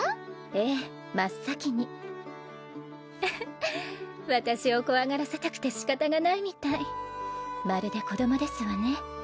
ええ真っ先にフフッ私を怖がらせたくて仕方がないみたいまるで子供ですわね